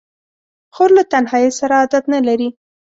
خور له تنهایۍ سره عادت نه لري.